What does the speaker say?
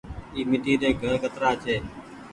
اي ميٽي ري گهر ڪترآ ڇي۔